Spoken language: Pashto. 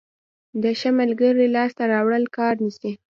د ښه ملګري لاسته راوړل کال نیسي.